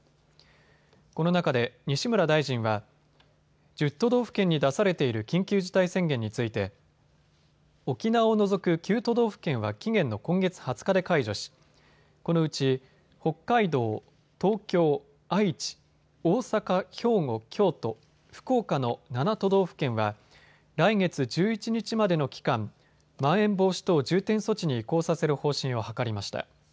この中で西村大臣は、１０都道府県に出されている緊急事態宣言について沖縄を除く９都道府県は期限の今月２０日で解除しこのうち北海道、東京、愛知、大阪、兵庫、京都、福岡の７都道府県は来月１１日までの期間、まん延防止等重点措置に移行させる方針を諮りました。